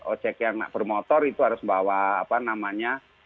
ojek yang bermotor itu harus membawa apa namanya